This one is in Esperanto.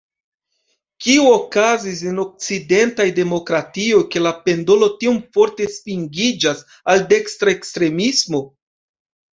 Kio okazis en okcidentaj demokratioj, ke la pendolo tiom forte svingiĝas al dekstra ekstremismo?